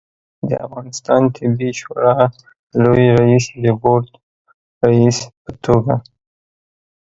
د افغانستان طبي شورا لوي رئیس د بورد رئیس په توګه